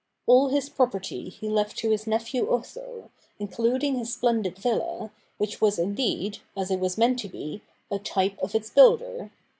All his property he left to his nephew Otho, including his splendid villa, which was indeed, as it was meant to be, a type of its builder.